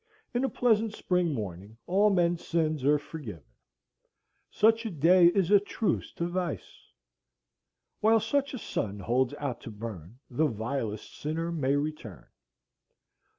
In a pleasant spring morning all men's sins are forgiven. Such a day is a truce to vice. While such a sun holds out to burn, the vilest sinner may return.